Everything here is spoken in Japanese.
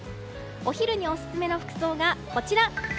お昼にオススメの服装がこちら。